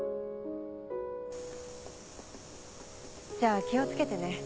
じゃあ気を付けてね。